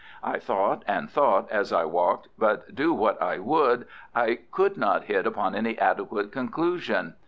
I thought and thought as I walked, but do what I would I could not hit upon any adequate conclusion.